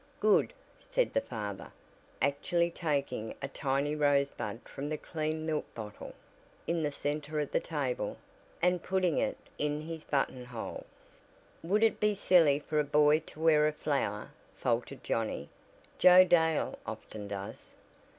"Good!" said the father, actually taking a tiny rosebud from the clean milk bottle, in the center of the table, and putting it in his buttonhole. "Would it be silly for a boy to wear a flower?" faltered Johnnie, "Joe Dale often does."